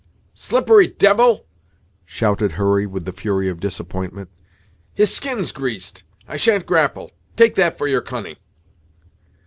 "Slippery devil!" shouted Hurry with the fury of disappointment "his skin's greased! I sha'n't grapple! Take that for your cunning!"